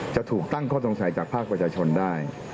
จะถูกตั้งข้อสงสัยจากภาคประชาชนได้